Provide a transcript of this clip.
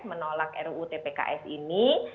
menolak ruu tpks ini